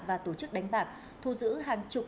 và tổ chức đánh bạc thu giữ hàng chục